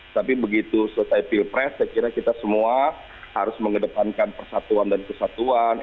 tapi begitu selesai pilpres saya kira kita semua harus mengedepankan persatuan dan kesatuan